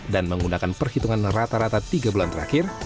dan menggunakan perhitungan rata rata tiga bulan terakhir